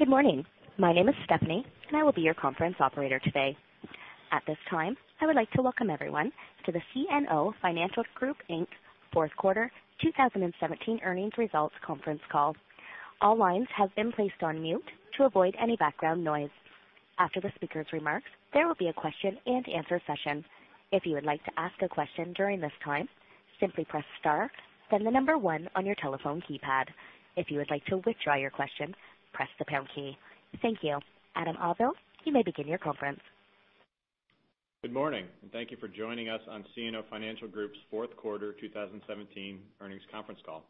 Good morning. My name is Stephanie, I will be your conference operator today. At this time, I would like to welcome everyone to the CNO Financial Group Inc. fourth quarter 2017 earnings results conference call. All lines have been placed on mute to avoid any background noise. After the speaker's remarks, there will be a question and answer session. If you would like to ask a question during this time, simply press star, then the number 1 on your telephone keypad. If you would like to withdraw your question, press the pound key. Thank you. Adam Auvil, you may begin your conference. Good morning, thank you for joining us on CNO Financial Group's fourth quarter 2017 earnings conference call.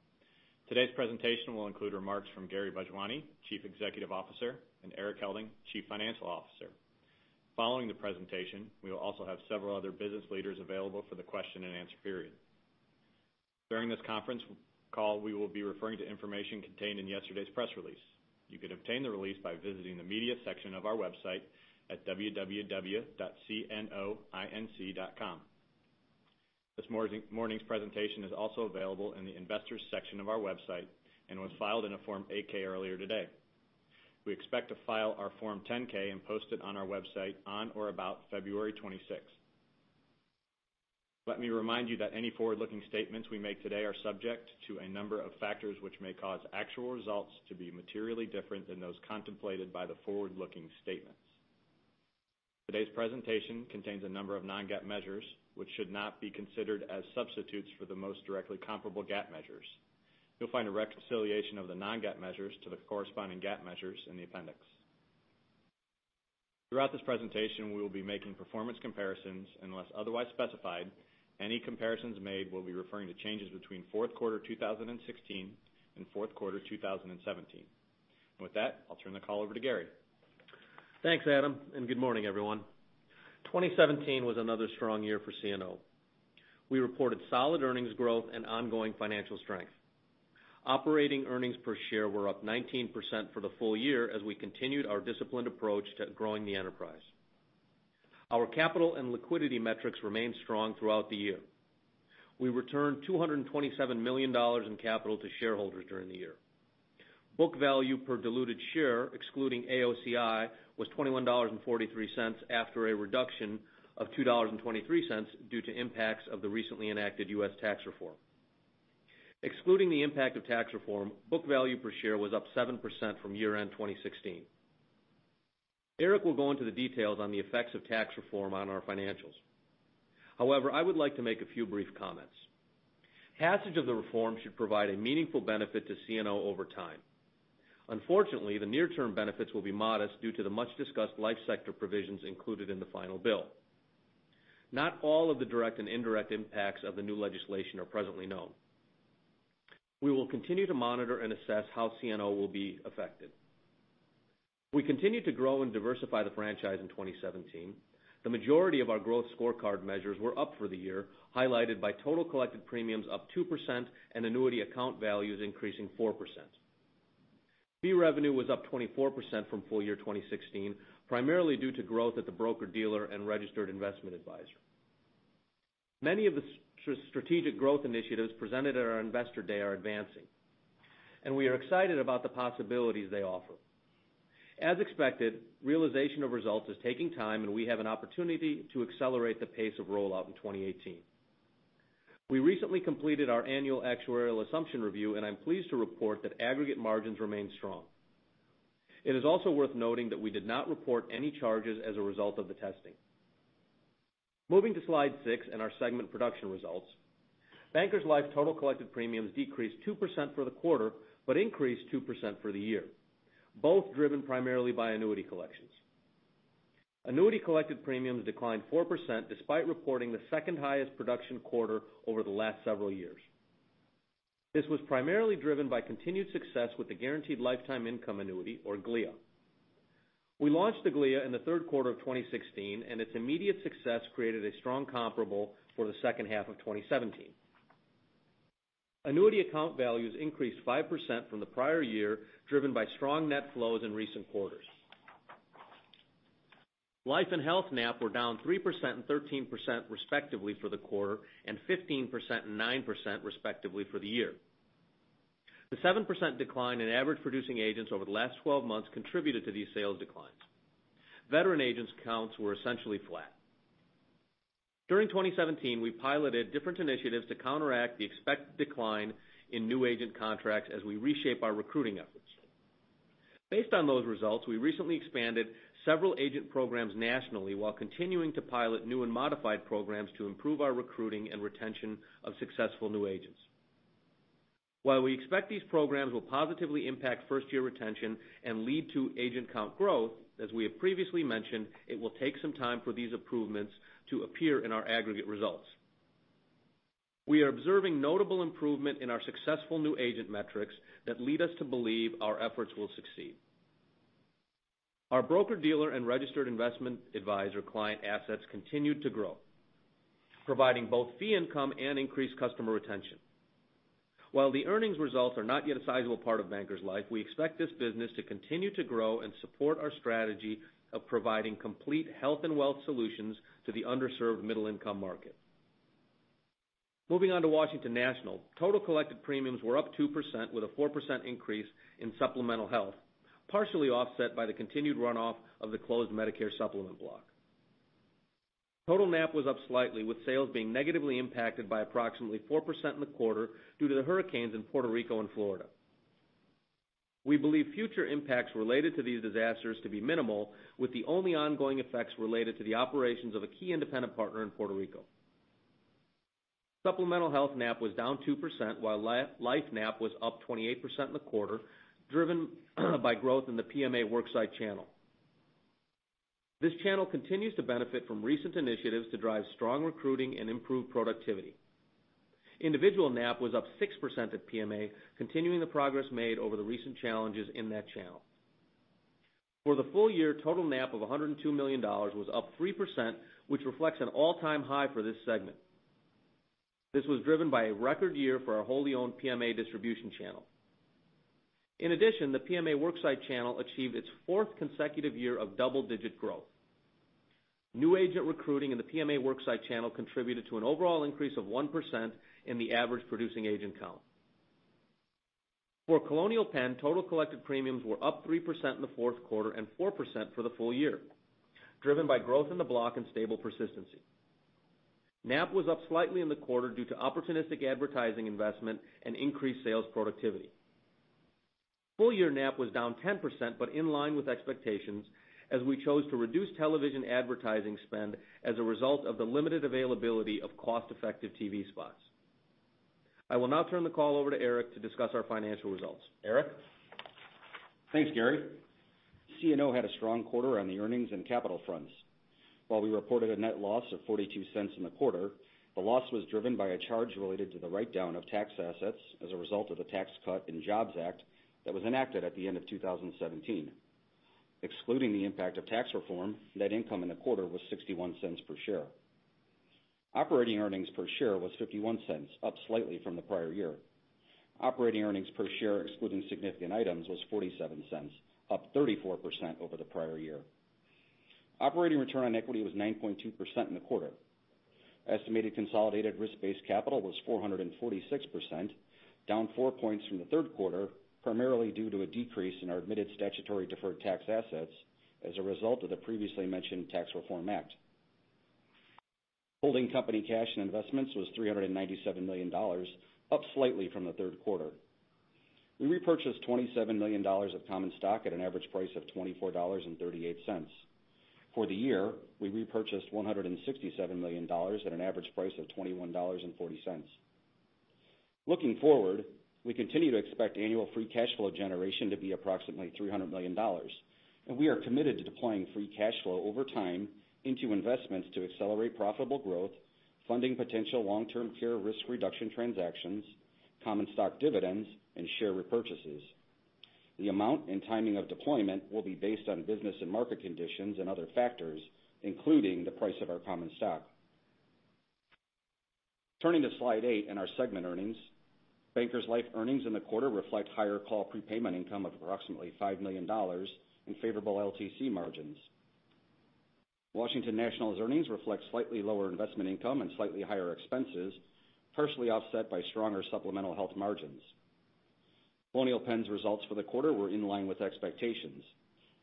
Today's presentation will include remarks from Gary Bhojwani, Chief Executive Officer, and Erik Helding, Chief Financial Officer. Following the presentation, we will also have several other business leaders available for the question and answer period. During this conference call, we will be referring to information contained in yesterday's press release. You can obtain the release by visiting the media section of our website at www.cnoinc.com. This morning's presentation is also available in the investors section of our website and was filed in a Form 8-K earlier today. We expect to file our Form 10-K and post it on our website on or about February 26th. Let me remind you that any forward-looking statements we make today are subject to a number of factors which may cause actual results to be materially different than those contemplated by the forward-looking statements. Today's presentation contains a number of non-GAAP measures, which should not be considered as substitutes for the most directly comparable GAAP measures. You'll find a reconciliation of the non-GAAP measures to the corresponding GAAP measures in the appendix. Throughout this presentation, we will be making performance comparisons. Unless otherwise specified, any comparisons made will be referring to changes between fourth quarter 2016 and fourth quarter 2017. With that, I'll turn the call over to Gary. Thanks, Adam, and good morning, everyone. 2017 was another strong year for CNO. We reported solid earnings growth and ongoing financial strength. Operating earnings per share were up 19% for the full year as we continued our disciplined approach to growing the enterprise. Our capital and liquidity metrics remained strong throughout the year. We returned $227 million in capital to shareholders during the year. Book value per diluted share, excluding AOCI, was $21.43 after a reduction of $2.23 due to impacts of the recently enacted U.S. tax reform. Excluding the impact of tax reform, book value per share was up 7% from year-end 2016. Erik will go into the details on the effects of tax reform on our financials. However, I would like to make a few brief comments. Passage of the reform should provide a meaningful benefit to CNO over time. Unfortunately, the near-term benefits will be modest due to the much-discussed life sector provisions included in the final bill. Not all of the direct and indirect impacts of the new legislation are presently known. We will continue to monitor and assess how CNO will be affected. We continued to grow and diversify the franchise in 2017. The majority of our growth scorecard measures were up for the year, highlighted by total collected premiums up 2% and annuity account values increasing 4%. Fee revenue was up 24% from full year 2016, primarily due to growth at the broker-dealer and registered investment advisor. Many of the strategic growth initiatives presented at our investor day are advancing, and we are excited about the possibilities they offer. As expected, realization of results is taking time, and we have an opportunity to accelerate the pace of rollout in 2018. We recently completed our annual actuarial assumption review, and I'm pleased to report that aggregate margins remain strong. It is also worth noting that we did not report any charges as a result of the testing. Moving to slide six and our segment production results. Bankers Life total collected premiums decreased 2% for the quarter, but increased 2% for the year, both driven primarily by annuity collections. Annuity collected premiums declined 4%, despite reporting the second highest production quarter over the last several years. This was primarily driven by continued success with the Guaranteed Lifetime Income Annuity or GLIA. We launched the GLIA in the third quarter of 2016, and its immediate success created a strong comparable for the second half of 2017. Annuity account values increased 5% from the prior year, driven by strong net flows in recent quarters. Life and Health NAP were down 3% and 13% respectively for the quarter, and 15% and 9% respectively for the year. The 7% decline in average producing agents over the last 12 months contributed to these sales declines. Veteran agents' accounts were essentially flat. During 2017, we piloted different initiatives to counteract the expected decline in new agent contracts as we reshape our recruiting efforts. Based on those results, we recently expanded several agent programs nationally while continuing to pilot new and modified programs to improve our recruiting and retention of successful new agents. While we expect these programs will positively impact first-year retention and lead to agent count growth, as we have previously mentioned, it will take some time for these improvements to appear in our aggregate results. We are observing notable improvement in our successful new agent metrics that lead us to believe our efforts will succeed. Our broker-dealer and registered investment advisor client assets continued to grow, providing both fee income and increased customer retention. While the earnings results are not yet a sizable part of Bankers Life, we expect this business to continue to grow and support our strategy of providing complete health and wealth solutions to the underserved middle-income market. Moving on to Washington National. Total collected premiums were up 2%, with a 4% increase in supplemental health, partially offset by the continued runoff of the closed Medicare supplement block. Total NAP was up slightly, with sales being negatively impacted by approximately 4% in the quarter due to the hurricanes in Puerto Rico and Florida. We believe future impacts related to these disasters to be minimal, with the only ongoing effects related to the operations of a key independent partner in Puerto Rico. Supplemental health NAP was down 2%, while life NAP was up 28% in the quarter, driven by growth in the PMA worksite channel. This channel continues to benefit from recent initiatives to drive strong recruiting and improve productivity. Individual NAP was up 6% at PMA, continuing the progress made over the recent challenges in that channel. For the full year, total NAP of $102 million was up 3%, which reflects an all-time high for this segment. This was driven by a record year for our wholly owned PMA distribution channel. In addition, the PMA worksite channel achieved its fourth consecutive year of double-digit growth. New agent recruiting in the PMA worksite channel contributed to an overall increase of 1% in the average producing agent count. For Colonial Penn, total collected premiums were up 3% in the fourth quarter and 4% for the full year, driven by growth in the block and stable persistency. NAP was up slightly in the quarter due to opportunistic advertising investment and increased sales productivity. Full-year NAP was down 10%, but in line with expectations, as we chose to reduce television advertising spend as a result of the limited availability of cost-effective TV spots. I will now turn the call over to Erik to discuss our financial results. Erik? Thanks, Gary. CNO had a strong quarter on the earnings and capital fronts. While we reported a net loss of $0.42 in the quarter, the loss was driven by a charge related to the write-down of tax assets as a result of the Tax Cuts and Jobs Act that was enacted at the end of 2017. Excluding the impact of tax reform, net income in the quarter was $0.61 per share. Operating earnings per share was $0.51, up slightly from the prior year. Operating earnings per share excluding significant items was $0.47, up 34% over the prior year. Operating return on equity was 9.2% in the quarter. Estimated consolidated risk-based capital was 446%, down four points from the third quarter, primarily due to a decrease in our admitted statutory deferred tax assets as a result of the previously mentioned Tax Reform Act. Holding company cash and investments was $397 million, up slightly from the third quarter. We repurchased $27 million of common stock at an average price of $24.38. For the year, we repurchased $167 million at an average price of $21.40. Looking forward, we continue to expect annual free cash flow generation to be approximately $300 million, and we are committed to deploying free cash flow over time into investments to accelerate profitable growth, funding potential long-term care risk reduction transactions, common stock dividends, and share repurchases. The amount and timing of deployment will be based on business and market conditions and other factors, including the price of our common stock. Turning to slide eight and our segment earnings. Bankers Life earnings in the quarter reflect higher call prepayment income of approximately $5 million in favorable LTC margins. Washington National's earnings reflect slightly lower investment income and slightly higher expenses, partially offset by stronger supplemental health margins. Colonial Penn's results for the quarter were in line with expectations.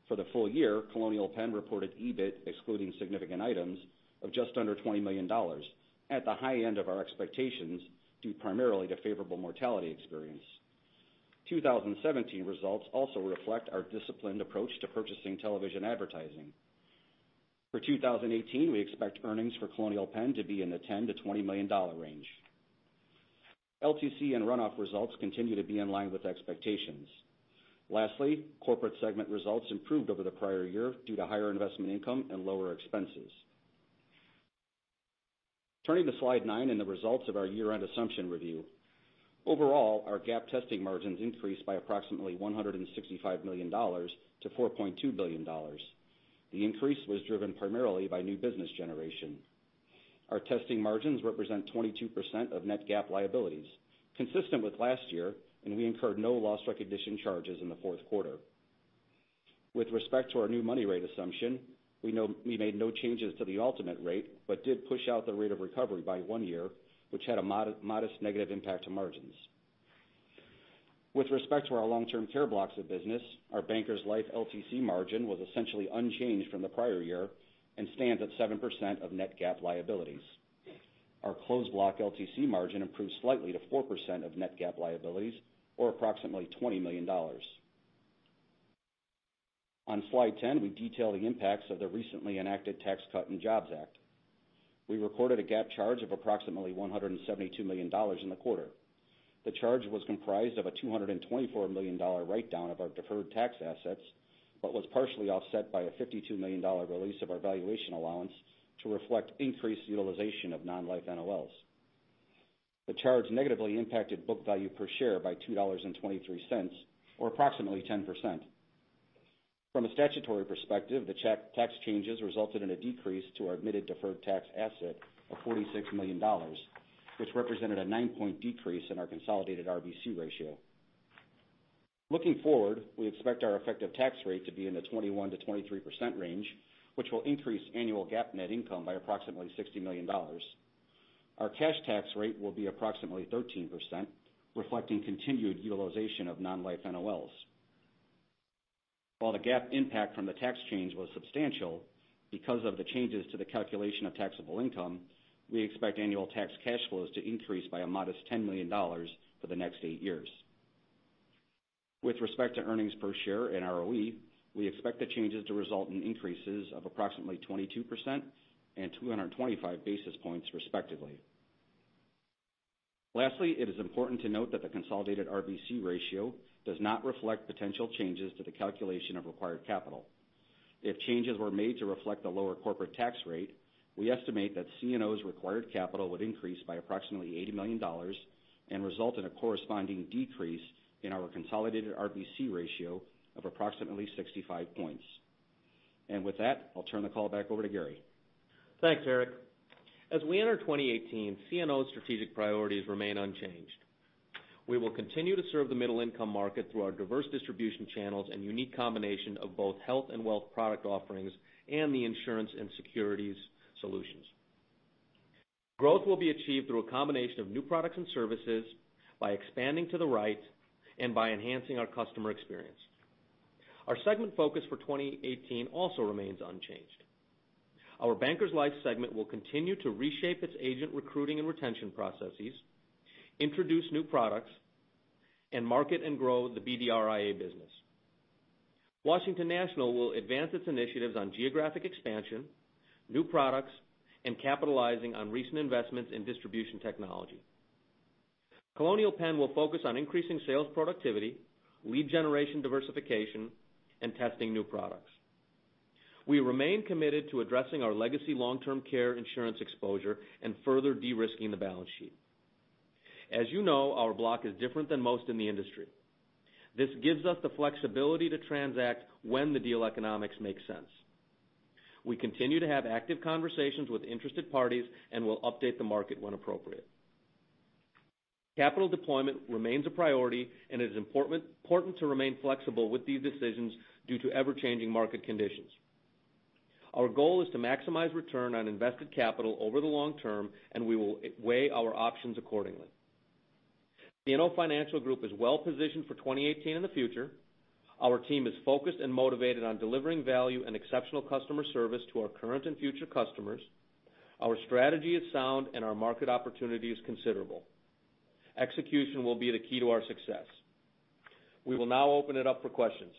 For the full year, Colonial Penn reported EBIT excluding significant items of just under $20 million, at the high end of our expectations, due primarily to favorable mortality experience. 2017 results also reflect our disciplined approach to purchasing television advertising. For 2018, we expect earnings for Colonial Penn to be in the $10 million-$20 million range. LTC and runoff results continue to be in line with expectations. Lastly, corporate segment results improved over the prior year due to higher investment income and lower expenses. Turning to slide nine and the results of our year-end assumption review. Overall, our GAAP testing margins increased by approximately $165 million to $4.2 billion. The increase was driven primarily by new business generation. Our testing margins represent 22% of net GAAP liabilities, consistent with last year, and we incurred no loss recognition charges in the fourth quarter. With respect to our new money rate assumption, we made no changes to the ultimate rate but did push out the rate of recovery by one year, which had a modest negative impact to margins. With respect to our long-term care blocks of business, our Bankers Life LTC margin was essentially unchanged from the prior year and stands at 7% of net GAAP liabilities. Our closed block LTC margin improved slightly to 4% of net GAAP liabilities, or approximately $20 million. On slide 10, we detail the impacts of the recently enacted Tax Cuts and Jobs Act. We recorded a GAAP charge of approximately $172 million in the quarter. The charge was comprised of a $224 million write-down of our deferred tax assets, but was partially offset by a $52 million release of our valuation allowance to reflect increased utilization of non-life NOLs. The charge negatively impacted book value per share by $2.23, or approximately 10%. From a statutory perspective, the tax changes resulted in a decrease to our admitted deferred tax asset of $46 million, which represented a nine-point decrease in our consolidated RBC ratio. Looking forward, we expect our effective tax rate to be in the 21%-23% range, which will increase annual GAAP net income by approximately $60 million. Our cash tax rate will be approximately 13%, reflecting continued utilization of non-life NOLs. While the GAAP impact from the tax change was substantial, because of the changes to the calculation of taxable income, we expect annual tax cash flows to increase by a modest $10 million for the next eight years. With respect to earnings per share and ROE, we expect the changes to result in increases of approximately 22% and 225 basis points respectively. Lastly, it is important to note that the consolidated RBC ratio does not reflect potential changes to the calculation of required capital. If changes were made to reflect the lower corporate tax rate, we estimate that CNO's required capital would increase by approximately $80 million and result in a corresponding decrease in our consolidated RBC ratio of approximately 65 points. With that, I'll turn the call back over to Gary. Thanks, Erik. As we enter 2018, CNO's strategic priorities remain unchanged. We will continue to serve the middle-income market through our diverse distribution channels and unique combination of both health and wealth product offerings and the insurance and securities solutions. Growth will be achieved through a combination of new products and services, by expanding to the right, and by enhancing our customer experience. Our segment focus for 2018 also remains unchanged. Our Bankers Life segment will continue to reshape its agent recruiting and retention processes, introduce new products, and market and grow the BD/RIA business. Washington National will advance its initiatives on geographic expansion, new products, and capitalizing on recent investments in distribution technology. Colonial Penn will focus on increasing sales productivity, lead generation diversification, and testing new products. We remain committed to addressing our legacy long-term care insurance exposure and further de-risking the balance sheet. As you know, our block is different than most in the industry. This gives us the flexibility to transact when the deal economics make sense. We continue to have active conversations with interested parties and will update the market when appropriate. Capital deployment remains a priority, and it is important to remain flexible with these decisions due to ever-changing market conditions. Our goal is to maximize return on invested capital over the long term, and we will weigh our options accordingly. CNO Financial Group is well-positioned for 2018 and the future. Our team is focused and motivated on delivering value and exceptional customer service to our current and future customers. Our strategy is sound, and our market opportunity is considerable. Execution will be the key to our success. We will now open it up for questions.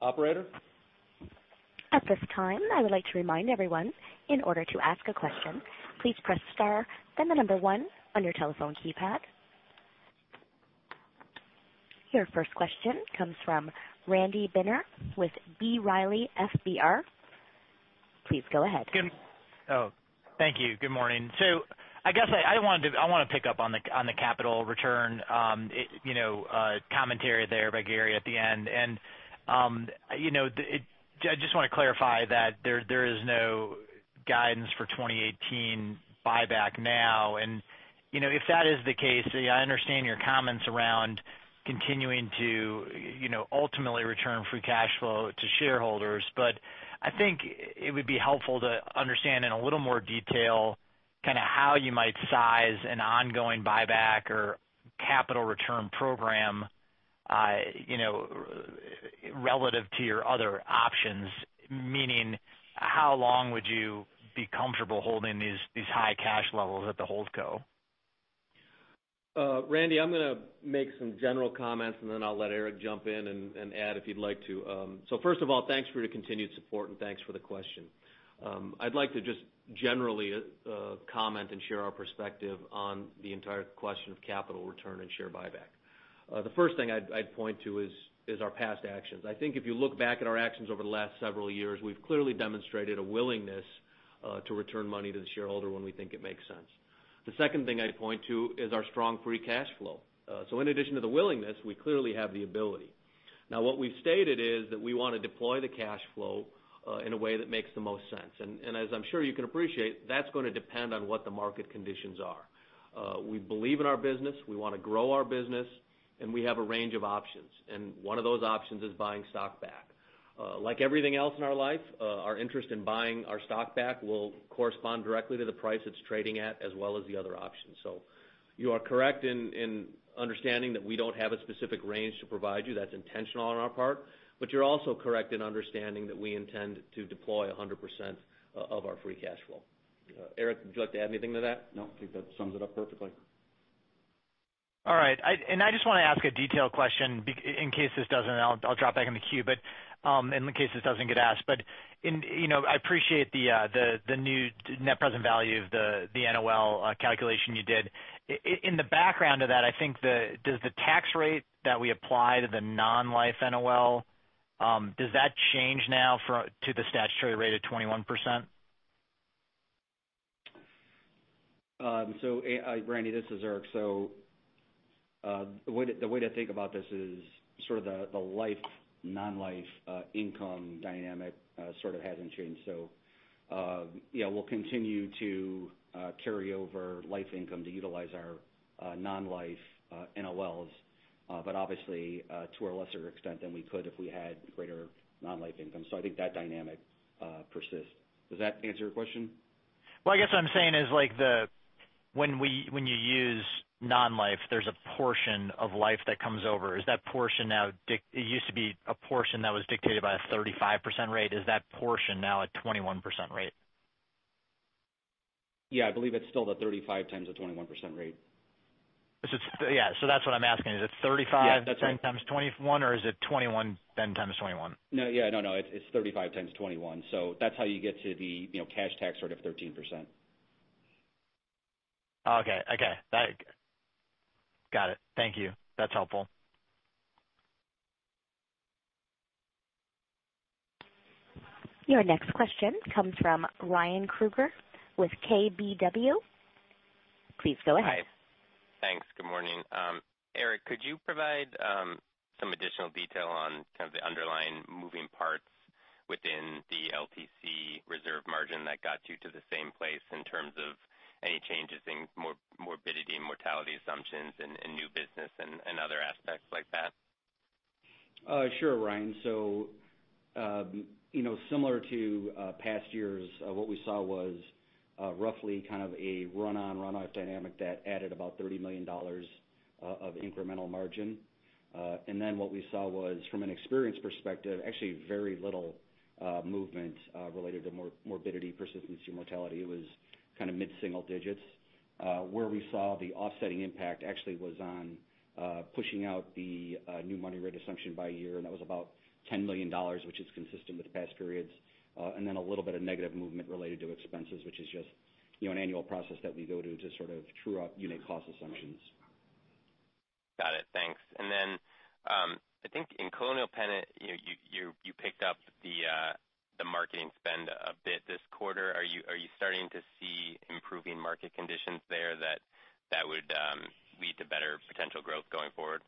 Operator? At this time, I would like to remind everyone, in order to ask a question, please press star, then the number 1 on your telephone keypad. Your first question comes from Randy Binner with B. Riley FBR. Please go ahead. Thank you. Good morning. I want to pick up on the capital return commentary there by Gary at the end. I just want to clarify that there is no guidance for 2018 buyback now. If that is the case, I understand your comments around continuing to ultimately return free cash flow to shareholders, but I think it would be helpful to understand in a little more detail how you might size an ongoing buyback or capital return program relative to your other options, meaning how long would you be comfortable holding these high cash levels at the holdco? Randy, I'm going to make some general comments, and then I'll let Erik jump in and add if you'd like to. First of all, thanks for your continued support and thanks for the question. I'd like to just generally comment and share our perspective on the entire question of capital return and share buyback. The first thing I'd point to is our past actions. I think if you look back at our actions over the last several years, we've clearly demonstrated a willingness to return money to the shareholder when we think it makes sense. The second thing I'd point to is our strong free cash flow. In addition to the willingness, we clearly have the ability. Now, what we've stated is that we want to deploy the cash flow in a way that makes the most sense. As I'm sure you can appreciate, that's going to depend on what the market conditions are. We believe in our business, we want to grow our business, and we have a range of options. One of those options is buying stock back. Like everything else in our life, our interest in buying our stock back will correspond directly to the price it's trading at as well as the other options. You are correct in understanding that we don't have a specific range to provide you. That's intentional on our part, but you're also correct in understanding that we intend to deploy 100% of our free cash flow. Erik, would you like to add anything to that? No, I think that sums it up perfectly. All right. I just want to ask a detailed question in case this doesn't, I'll drop back in the queue, but in case this doesn't get asked. I appreciate the new net present value of the NOL calculation you did. In the background of that, I think does the tax rate that we apply to the non-life NOL, does that change now to the statutory rate of 21%? Randy, this is Erik. The way to think about this is the life, non-life income dynamic sort of hasn't changed. We'll continue to carry over life income to utilize our non-life NOLs. Obviously, to a lesser extent than we could if we had greater non-life income. I think that dynamic persists. Does that answer your question? Well, I guess what I'm saying is, when you use non-life, there's a portion of life that comes over. It used to be a portion that was dictated by a 35% rate. Is that portion now a 21% rate? Yeah, I believe it's still the 35 times the 21% rate. Yeah. That's what I'm asking. Is it 35- Yeah. 10 times 21, or is it 21 then times 21? No, yeah, no. It's 35 times 21. That's how you get to the cash tax sort of 13%. Okay. Got it. Thank you. That's helpful. Your next question comes from Ryan Krueger with KBW. Please go ahead. Hi. Thanks. Good morning. Erik, could you provide some additional detail on kind of the underlying moving parts within the LTC reserve margin that got you to the same place in terms of any changes in morbidity and mortality assumptions and new business and other aspects like that? Sure, Ryan. Similar to past years, what we saw was roughly kind of a run-on run-off dynamic that added about $30 million of incremental margin. What we saw was, from an experience perspective, actually very little movement related to morbidity persistency and mortality. It was kind of mid-single digits. Where we saw the offsetting impact actually was on pushing out the new money rate assumption by year, and that was about $10 million, which is consistent with past periods. A little bit of negative movement related to expenses, which is just an annual process that we go to to sort of true-up unit cost assumptions. Got it. Thanks. I think in Colonial Penn, you picked up the marketing spend a bit this quarter. Are you starting to see improving market conditions there that would lead to better potential growth going forward?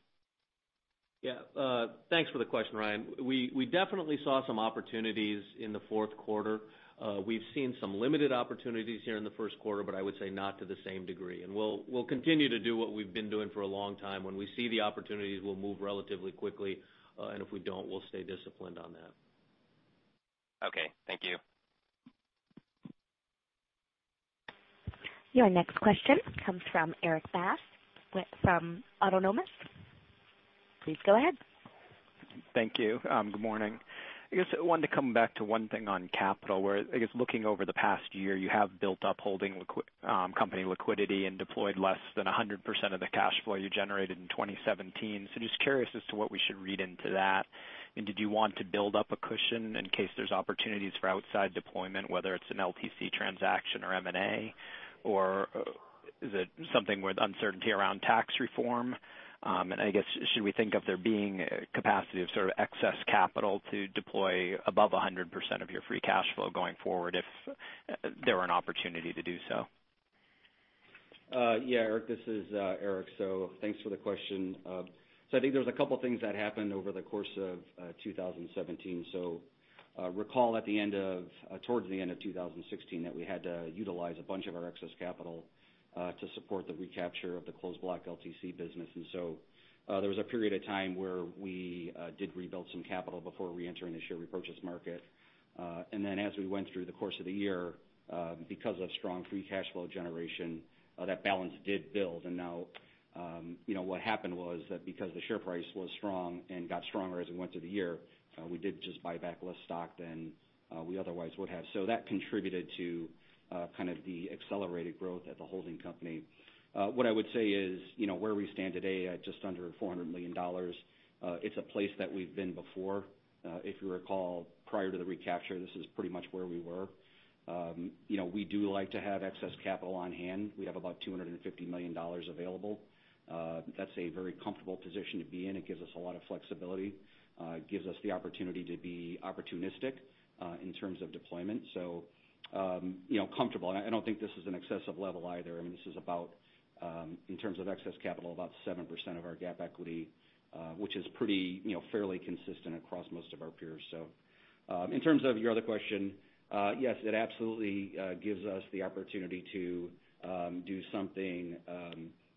Yeah. Thanks for the question, Ryan. We definitely saw some opportunities in the fourth quarter. We've seen some limited opportunities here in the first quarter, I would say not to the same degree. We'll continue to do what we've been doing for a long time. When we see the opportunities, we'll move relatively quickly, and if we don't, we'll stay disciplined on that. Okay. Thank you. Your next question comes from Erik Bass from Autonomous. Please go ahead. Thank you. Good morning. I guess I wanted to come back to one thing on capital, where I guess looking over the past year, you have built up holding company liquidity and deployed less than 100% of the cash flow you generated in 2017. Just curious as to what we should read into that. Did you want to build up a cushion in case there's opportunities for outside deployment, whether it's an LTC transaction or M&A, or is it something with uncertainty around tax reform? I guess, should we think of there being capacity of sort of excess capital to deploy above 100% of your free cash flow going forward if there were an opportunity to do so? Yeah, Erik, this is Erik. Thanks for the question. I think there's a couple things that happened over the course of 2017. Recall towards the end of 2016, that we had to utilize a bunch of our excess capital to support the recapture of the closed block LTC business. There was a period of time where we did rebuild some capital before re-entering the share repurchase market. As we went through the course of the year, because of strong free cash flow generation, that balance did build. Now what happened was that because the share price was strong and got stronger as we went through the year, we did just buy back less stock than we otherwise would have. That contributed to kind of the accelerated growth at the holding company. What I would say is, where we stand today at just under $400 million, it's a place that we've been before. If you recall, prior to the recapture, this is pretty much where we were. We do like to have excess capital on hand. We have about $250 million available. That's a very comfortable position to be in. It gives us a lot of flexibility. It gives us the opportunity to be opportunistic in terms of deployment. Comfortable. I don't think this is an excessive level either. I mean, this is about, in terms of excess capital, about 7% of our GAAP equity, which is fairly consistent across most of our peers. In terms of your other question, yes, it absolutely gives us the opportunity to do something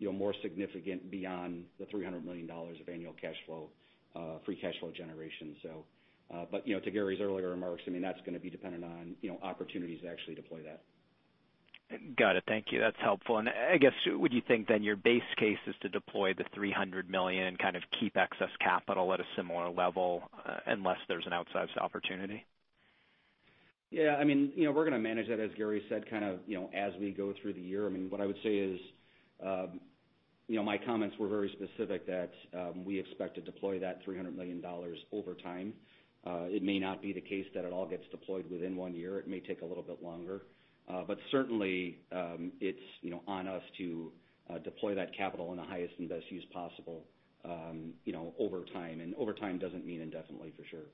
more significant beyond the $300 million of annual free cash flow generation. To Gary's earlier remarks, that's going to be dependent on opportunities to actually deploy that. Got it. Thank you. That's helpful. I guess, would you think then your base case is to deploy the $300 million and kind of keep excess capital at a similar level, unless there's an outsized opportunity? Yeah. We're going to manage that, as Gary said, as we go through the year. What I would say is, my comments were very specific that we expect to deploy that $300 million over time. It may not be the case that it all gets deployed within one year. It may take a little bit longer. Certainly, it's on us to deploy that capital in the highest and best use possible over time. Over time doesn't mean indefinitely, for sure.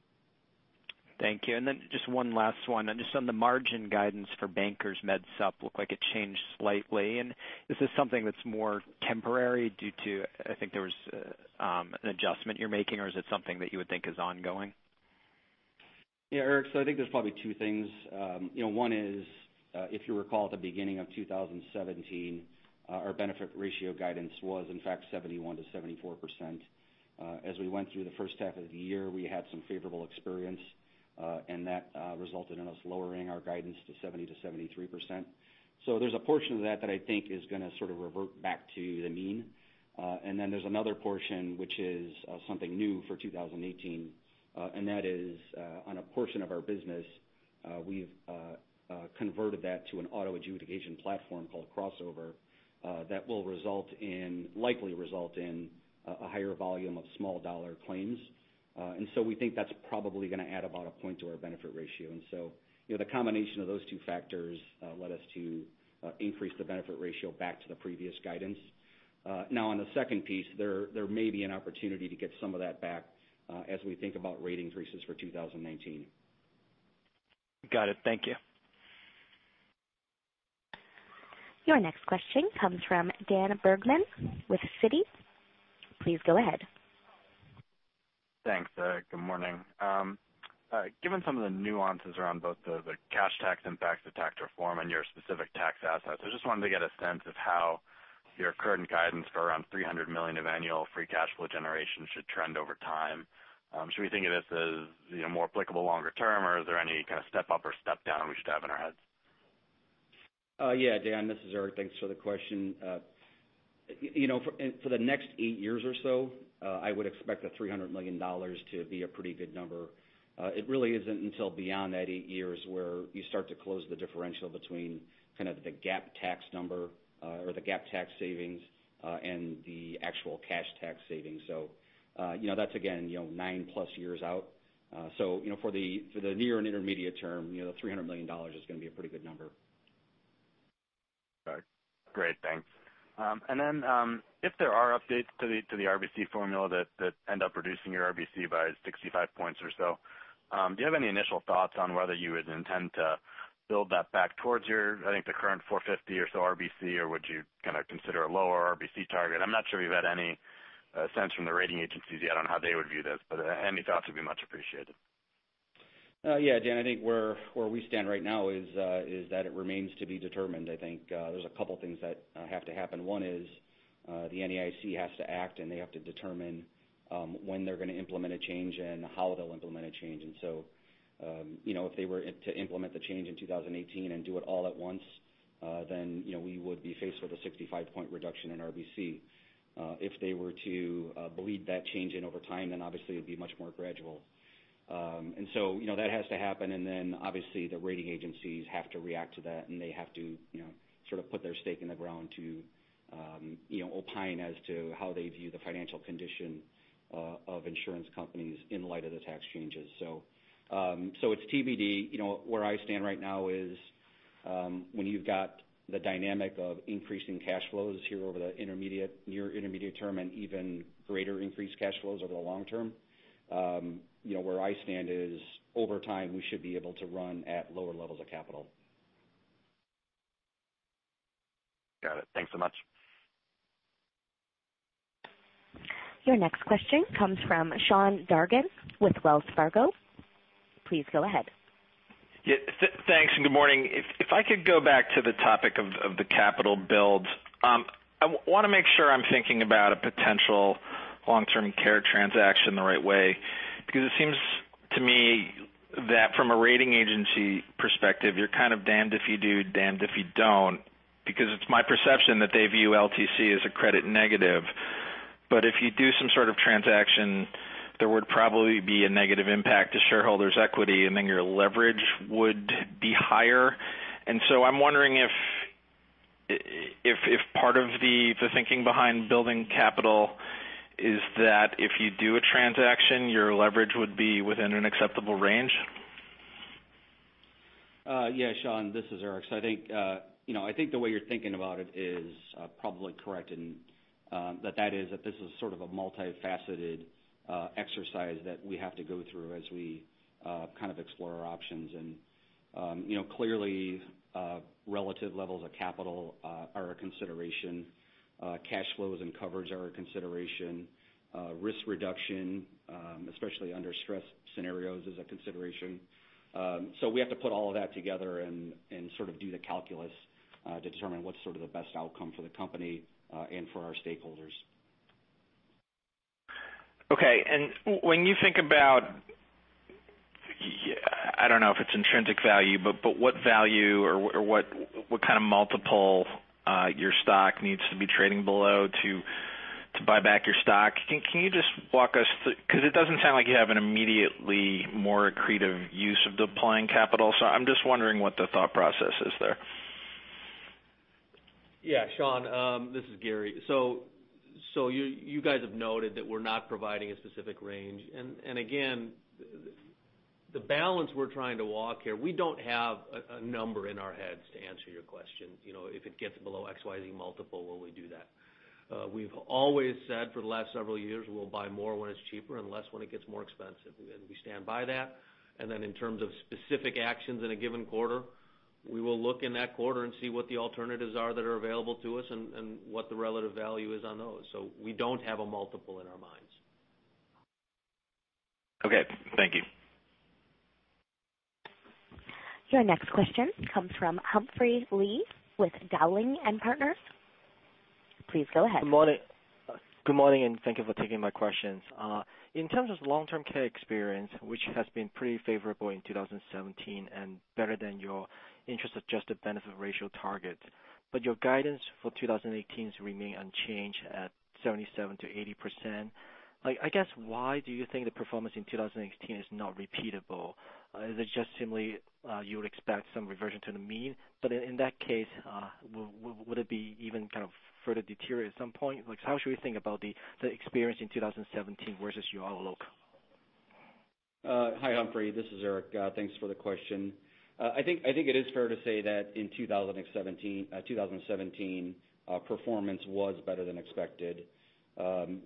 Thank you. Just one last one. Just on the margin guidance for Bankers Medicare Supplement looked like it changed slightly. Is this something that's more temporary due to, I think there was an adjustment you're making, or is it something that you would think is ongoing? Yeah, Erik, I think there's probably two things. One is, if you recall at the beginning of 2017, our benefit ratio guidance was in fact 71%-74%. As we went through the first half of the year, we had some favorable experience, and that resulted in us lowering our guidance to 70%-73%. There's a portion of that that I think is going to sort of revert back to the mean. There's another portion which is something new for 2018, and that is, on a portion of our business, we've converted that to an auto adjudication platform called Crossover, that will likely result in a higher volume of small dollar claims. We think that's probably going to add about a point to our benefit ratio. The combination of those two factors led us to increase the benefit ratio back to the previous guidance. Now on the second piece, there may be an opportunity to get some of that back as we think about rating increases for 2019. Got it. Thank you. Your next question comes from Daniel Bergman with Citi. Please go ahead. Thanks. Good morning. Given some of the nuances around both the cash tax impacts of tax reform and your specific tax assets, I just wanted to get a sense of how your current guidance for around $300 million of annual free cash flow generation should trend over time. Should we think of this as more applicable longer term, or is there any kind of step up or step down we should have in our heads? Yeah, Dan, this is Erik. Thanks for the question. For the next eight years or so, I would expect the $300 million to be a pretty good number. It really isn't until beyond that eight years where you start to close the differential between kind of the GAAP tax number or the GAAP tax savings, and the actual cash tax savings. That's again 9+ years out. For the near and intermediate term, the $300 million is going to be a pretty good number. Got it. Great, thanks. If there are updates to the RBC formula that end up reducing your RBC by 65 points or so, do you have any initial thoughts on whether you would intend to build that back towards your, I think, the current 450 or so RBC? Would you kind of consider a lower RBC target? I'm not sure if you've had any sense from the rating agencies yet on how they would view this, but any thoughts would be much appreciated. Yeah, Dan, I think where we stand right now is that it remains to be determined. I think there's a couple things that have to happen. One is, the NAIC has to act and they have to determine when they're going to implement a change and how they'll implement a change. If they were to implement the change in 2018 and do it all at once, we would be faced with a 65-point reduction in RBC. If they were to bleed that change in over time, obviously it would be much more gradual. That has to happen, obviously the rating agencies have to react to that, and they have to sort of put their stake in the ground to opine as to how they view the financial condition of insurance companies in light of the tax changes. It's TBD. Where I stand right now is, when you've got the dynamic of increasing cash flows here over the near intermediate term, and even greater increased cash flows over the long term, where I stand is over time, we should be able to run at lower levels of capital. Got it. Thanks so much. Your next question comes from Sean Dargan with Wells Fargo. Please go ahead. Thanks, and good morning. If I could go back to the topic of the capital build. I want to make sure I'm thinking about a potential long-term care transaction the right way, because it seems to me that from a rating agency perspective, you're kind of damned if you do, damned if you don't, because it's my perception that they view LTC as a credit negative. If you do some sort of transaction, there would probably be a negative impact to shareholders' equity, and then your leverage would be higher. I'm wondering if part of the thinking behind building capital is that if you do a transaction, your leverage would be within an acceptable range? Sean, this is Erik. I think the way you're thinking about it is probably correct, and that is that this is sort of a multifaceted exercise that we have to go through as we kind of explore our options. Clearly, relative levels of capital are a consideration. Cash flows and coverage are a consideration. Risk reduction, especially under stress scenarios, is a consideration. We have to put all of that together and sort of do the calculus to determine what's sort of the best outcome for the company and for our stakeholders. Okay. When you think about, I don't know if it's intrinsic value, but what value or what kind of multiple your stock needs to be trading below to buy back your stock? Can you just walk us through? Because it doesn't sound like you have an immediately more accretive use of deploying capital. I'm just wondering what the thought process is there. Sean, this is Gary. You guys have noted that we're not providing a specific range. Again, the balance we're trying to walk here, we don't have a number in our heads to answer your question. If it gets below XYZ multiple, will we do that? We've always said for the last several years, we'll buy more when it's cheaper and less when it gets more expensive, and we stand by that. In terms of specific actions in a given quarter, we will look in that quarter and see what the alternatives are that are available to us and what the relative value is on those. We don't have a multiple in our minds. Okay. Thank you. Your next question comes from Humphrey Lee with Dowling & Partners. Please go ahead. Good morning. Thank you for taking my questions. In terms of long-term care experience, which has been pretty favorable in 2017 and better than your interest-adjusted benefit ratio target. Your guidance for 2018 remains unchanged at 77%-80%. I guess, why do you think the performance in 2018 is not repeatable? Is it just simply you would expect some reversion to the mean? In that case, would it be even kind of further deteriorate at some point? How should we think about the experience in 2017 versus your outlook? Hi, Humphrey. This is Erik. Thanks for the question. I think it is fair to say that in 2017, performance was better than expected.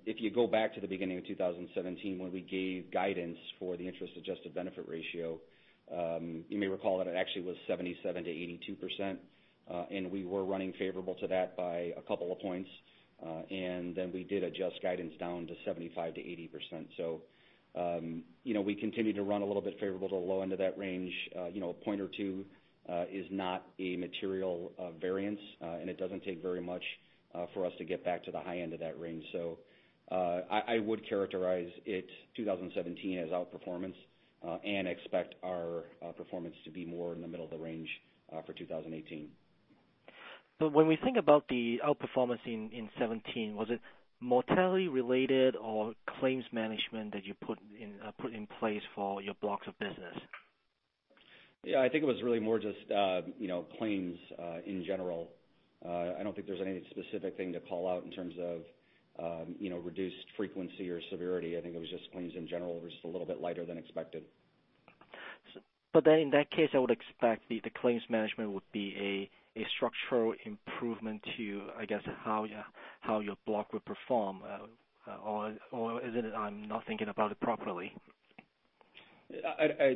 If you go back to the beginning of 2017, when we gave guidance for the interest-adjusted benefit ratio, you may recall that it actually was 77%-82%, and we were running favorable to that by a couple of points. Then we did adjust guidance down to 75%-80%. We continue to run a little bit favorable to the low end of that range. A point or two is not a material variance, and it doesn't take very much for us to get back to the high end of that range. I would characterize it, 2017, as outperformance, and expect our performance to be more in the middle of the range for 2018. When we think about the outperformance in 2017, was it mortality-related or claims management that you put in place for your blocks of business? Yeah, I think it was really more just claims in general. I don't think there's any specific thing to call out in terms of reduced frequency or severity. I think it was just claims in general were just a little bit lighter than expected. In that case, I would expect the claims management would be a structural improvement to, I guess, how your block would perform. Or is it I'm not thinking about it properly? I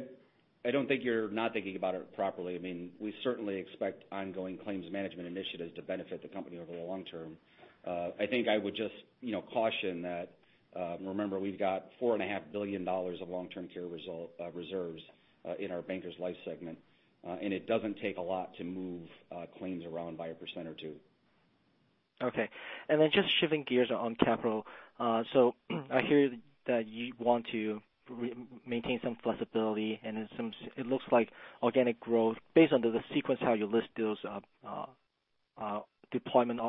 don't think you're not thinking about it properly. We certainly expect ongoing claims management initiatives to benefit the company over the long term. I think I would just caution that, remember, we've got $4.5 billion of long-term care reserves in our Bankers Life segment, and it doesn't take a lot to move claims around by 1% or 2%. Okay. Just shifting gears on capital. I hear that you want to maintain some flexibility, and it looks like organic growth based on the sequence how you list those deployment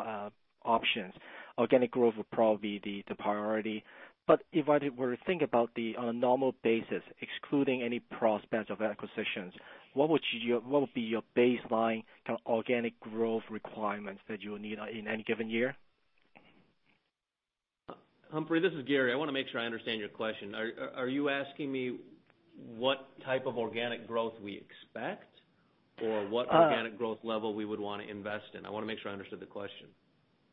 options, organic growth would probably be the priority. If I were to think about on a normal basis, excluding any prospects of acquisitions, what would be your baseline kind of organic growth requirements that you'll need in any given year? Humphrey, this is Gary. I want to make sure I understand your question. Are you asking me what type of organic growth we expect or what organic growth level we would want to invest in? I want to make sure I understood the question.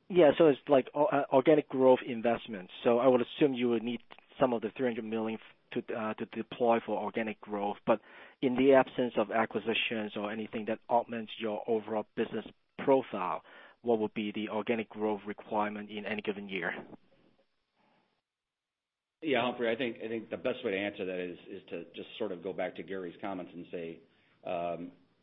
Yeah. It's like organic growth investments. I would assume you would need some of the $300 million to deploy for organic growth. In the absence of acquisitions or anything that augments your overall business profile, what would be the organic growth requirement in any given year? Yeah, Humphrey, I think the best way to answer that is to just sort of go back to Gary's comments and say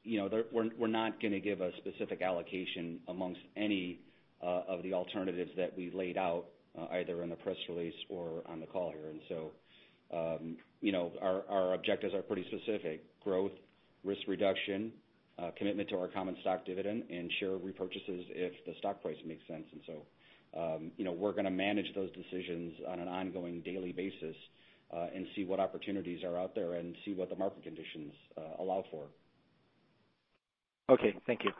we're not going to give a specific allocation amongst any of the alternatives that we laid out, either in the press release or on the call here. Our objectives are pretty specific. Growth, risk reduction, commitment to our common stock dividend, and share repurchases if the stock price makes sense. We're going to manage those decisions on an ongoing daily basis, and see what opportunities are out there and see what the market conditions allow for. Okay. Thank you.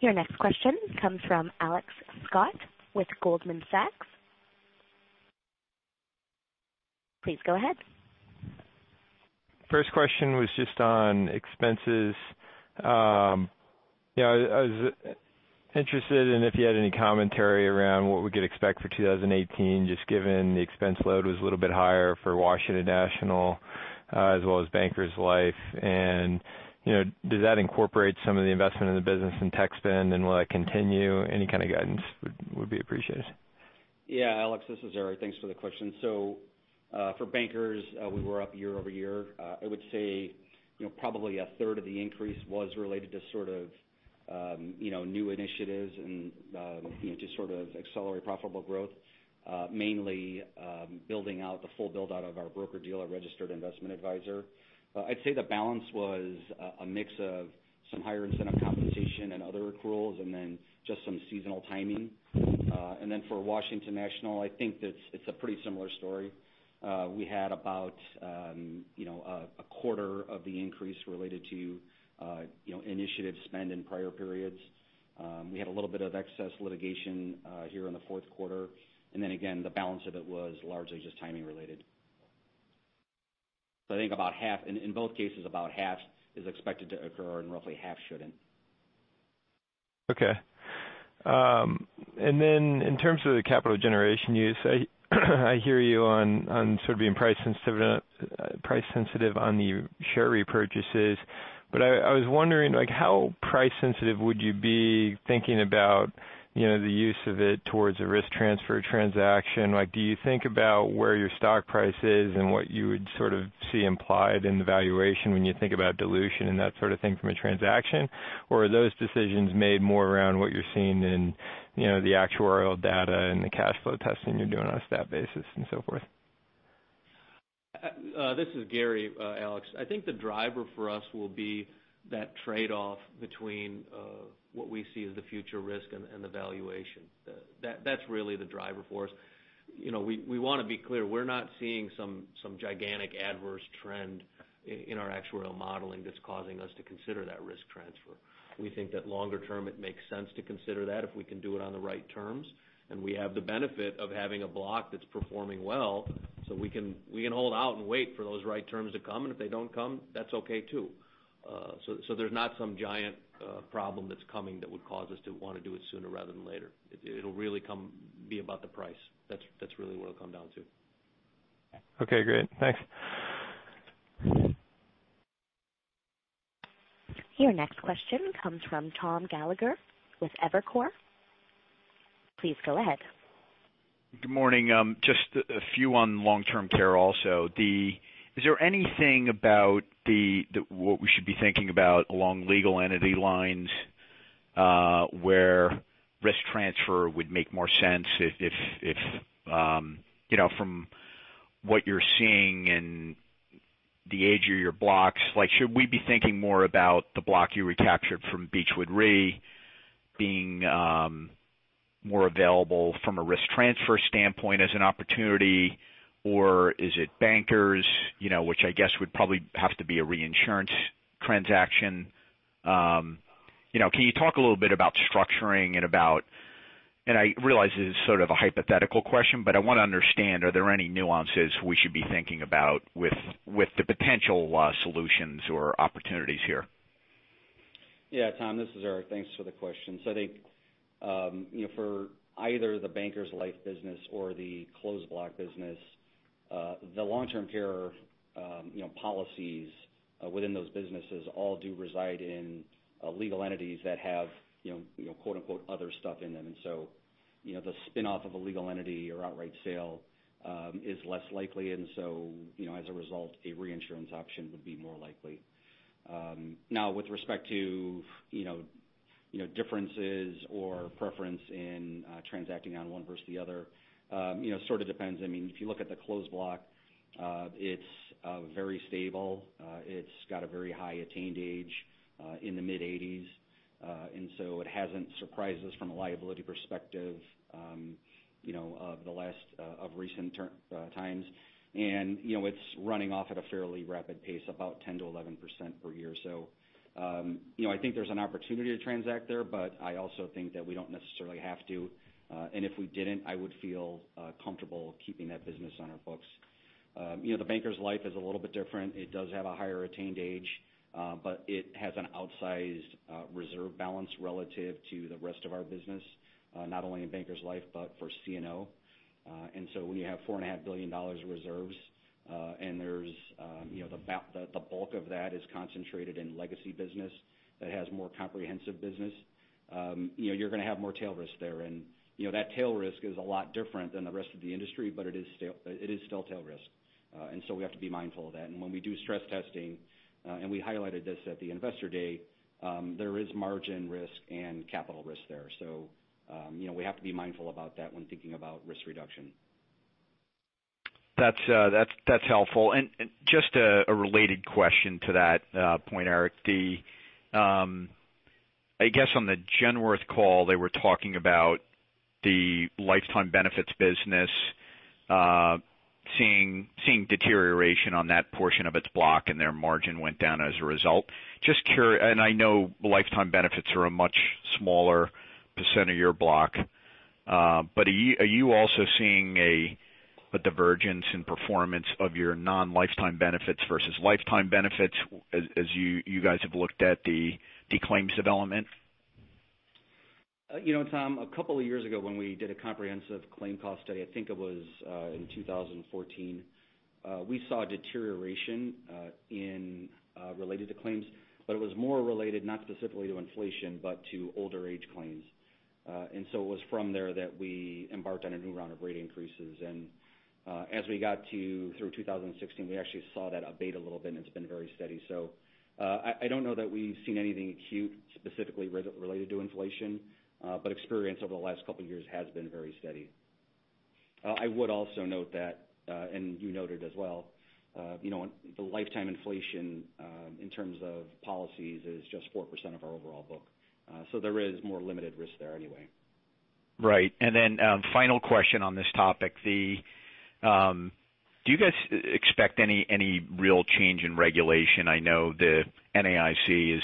Your next question comes from Alex Scott with Goldman Sachs. Please go ahead. First question was just on expenses. I was interested in if you had any commentary around what we could expect for 2018, just given the expense load was a little bit higher for Washington National as well as Bankers Life. Does that incorporate some of the investment in the business and tech spend, and will that continue? Any kind of guidance would be appreciated. Alex, this is Erik. Thanks for the question. For Bankers, we were up year-over-year. I would say probably a third of the increase was related to sort of new initiatives and to sort of accelerate profitable growth. Mainly building out the full build-out of our broker-dealer registered investment advisor. I'd say the balance was a mix of some higher incentive compensation and other accruals, and then just some seasonal timing. For Washington National, I think it's a pretty similar story. We had about a quarter of the increase related to initiative spend in prior periods. We had a little bit of excess litigation here in the fourth quarter. Again, the balance of it was largely just timing related. I think in both cases, about half is expected to occur and roughly half shouldn't. Okay. In terms of the capital generation use, I hear you on sort of being price sensitive on the share repurchases. I was wondering, how price sensitive would you be thinking about the use of it towards a risk transfer transaction? Do you think about where your stock price is and what you would sort of see implied in the valuation when you think about dilution and that sort of thing from a transaction? Are those decisions made more around what you're seeing in the actuarial data and the cash flow testing you're doing on a stat basis and so forth? This is Gary, Alex. I think the driver for us will be that trade-off between what we see as the future risk and the valuation. That's really the driver for us. We want to be clear, we're not seeing some gigantic adverse trend in our actuarial modeling that's causing us to consider that risk transfer. We think that longer term, it makes sense to consider that if we can do it on the right terms, and we have the benefit of having a block that's performing well, so we can hold out and wait for those right terms to come. If they don't come, that's okay, too. There's not some giant problem that's coming that would cause us to want to do it sooner rather than later. It'll really be about the price. That's really what it'll come down to. Okay, great. Thanks. Your next question comes from Thomas Gallagher with Evercore. Please go ahead. Good morning. Just a few on long-term care also. Is there anything about what we should be thinking about along legal entity lines, where risk transfer would make more sense if from what you're seeing in the age of your blocks? Should we be thinking more about the block you recaptured from Beechwood Re, being more available from a risk transfer standpoint as an opportunity, or is it Bankers, which I guess would probably have to be a reinsurance transaction? Can you talk a little bit about structuring, and I realize this is sort of a hypothetical question, but I want to understand, are there any nuances we should be thinking about with the potential solutions or opportunities here? Yeah, Tom, this is Erik. Thanks for the question. I think for either the Bankers Life business or the Closed Block business, the long-term care policies within those businesses all do reside in legal entities that have "other stuff" in them. The spinoff of a legal entity or outright sale is less likely, and so as a result, a reinsurance option would be more likely. Now, with respect to differences or preference in transacting on one versus the other, sort of depends. If you look at the Closed Block, it's very stable. It's got a very high attained age in the mid-80s. It hasn't surprised us from a liability perspective of recent times. It's running off at a fairly rapid pace, about 10%-11% per year. I think there's an opportunity to transact there, but I also think that we don't necessarily have to. If we didn't, I would feel comfortable keeping that business on our books. The Bankers Life is a little bit different. It does have a higher attained age, but it has an outsized reserve balance relative to the rest of our business, not only in Bankers Life but for CNO. When you have $4.5 billion reserves, and the bulk of that is concentrated in legacy business that has more comprehensive business, you're going to have more tail risk there. That tail risk is a lot different than the rest of the industry, but it is still tail risk. We have to be mindful of that. When we do stress testing, and we highlighted this at the Investor Day, there is margin risk and capital risk there. We have to be mindful about that when thinking about risk reduction. That's helpful. Just a related question to that point, Erik. I guess on the Genworth call, they were talking about the lifetime benefits business seeing deterioration on that portion of its block, and their margin went down as a result. I know lifetime benefits are a much smaller % of your block. Are you also seeing a divergence in performance of your non-lifetime benefits versus lifetime benefits as you guys have looked at the claims development? Tom, a couple of years ago when we did a comprehensive claim cost study, I think it was in 2014, we saw deterioration related to claims, it was more related, not specifically to inflation, but to older age claims. It was from there that we embarked on a new round of rate increases. As we got through 2016, we actually saw that abate a little bit, and it's been very steady. I don't know that we've seen anything acute specifically related to inflation. Experience over the last couple of years has been very steady. I would also note that, and you noted as well, the lifetime inflation in terms of policies is just 4% of our overall book. There is more limited risk there anyway. Right. Final question on this topic. Do you guys expect any real change in regulation? I know the NAIC has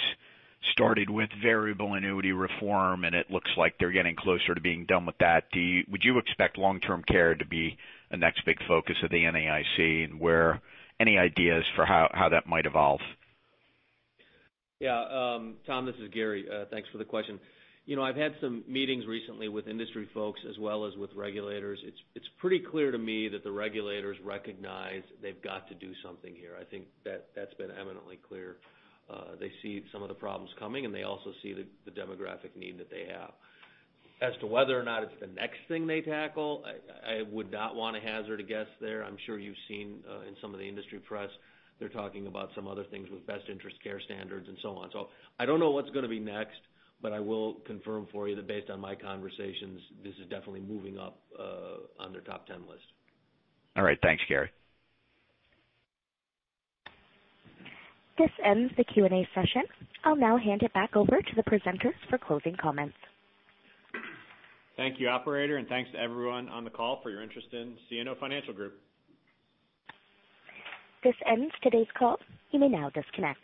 started with variable annuity reform, and it looks like they're getting closer to being done with that. Would you expect long-term care to be the next big focus of the NAIC, and any ideas for how that might evolve? Yeah. Tom, this is Gary. Thanks for the question. I've had some meetings recently with industry folks as well as with regulators. It's pretty clear to me that the regulators recognize they've got to do something here. I think that's been eminently clear. They see some of the problems coming, they also see the demographic need that they have. As to whether or not it's the next thing they tackle, I would not want to hazard a guess there. I'm sure you've seen in some of the industry press, they're talking about some other things with best interest care standards and so on. I don't know what's going to be next, but I will confirm for you that based on my conversations, this is definitely moving up on their top 10 list. All right. Thanks, Gary. This ends the Q&A session. I'll now hand it back over to the presenters for closing comments. Thank you, operator, and thanks to everyone on the call for your interest in CNO Financial Group. This ends today's call. You may now disconnect.